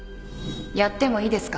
やってもいいですか？